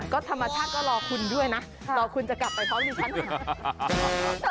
ก็ธรรมชาติก็รอคุณด้วยนะรอคุณจะกลับไปพร้อมดิฉันค่ะ